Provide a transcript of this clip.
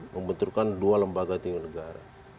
membenturkan dua lembaga tinggi negara